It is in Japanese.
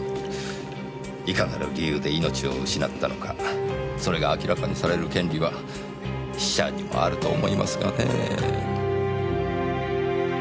いかなる理由で命を失ったのかそれが明らかにされる権利は死者にもあると思いますがねぇ。